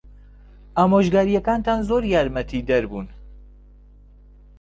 ئامۆژگارییەکانتان زۆر یارمەتیدەر بوون.